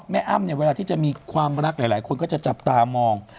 อ้ำเนี่ยเวลาที่จะมีความรักหลายคนก็จะจับตามอง